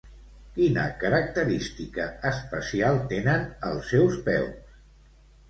Quina característica especial tenen els seus peus?